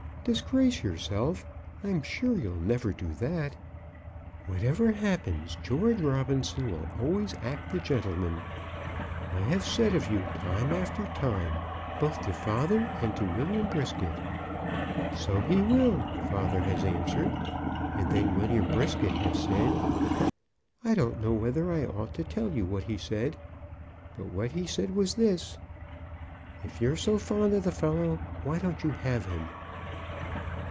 "Disgrace yourself! I'm sure you'll never do that. 'Whatever happens George Robinson will always act the gentleman,' I have said of you, times after times, both to father and to William Brisket. 'So he will!' father has answered. And then William Brisket has said ; I don't know whether I ought to tell you what he said. But what he said was this 'If you're so fond of the fellow, why don't you have him?'"